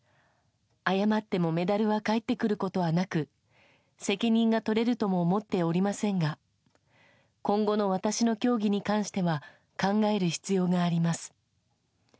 謝ってもメダルは返ってくることはなく、責任が取れるとも思っておりませんが、今後の私の競技に関しては、考える必要があります。